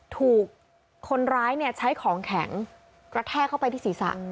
ถูกคนร้ายใช้ของแข็งกระแทกเข้าไปที่ศีรษะ